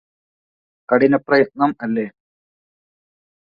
കഠിനപ്രയത്നം അല്ലേ